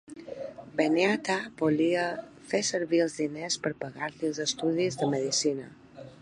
Beneatha volia fer servir els diners per pagar-li els estudis de medicina.